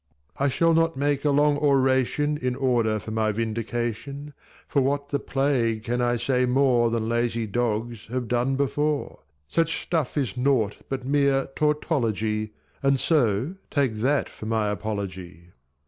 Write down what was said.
I shall not make a long oration in order for my vindication, For what the plague can I say more Than lazy dogs have done before; Such stuff is naught but mere tautology, And so take that for my apology.